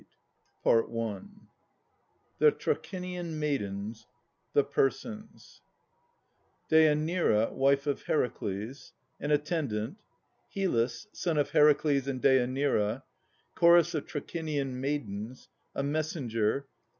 THE TRACHINIAN MAIDENS THE PERSONS DÊANIRA, wife of Heracles. An Attendant. HYLLUS, son of Heracles and Dêanira. CHORUS of Trachinian Maidens. A Messenger.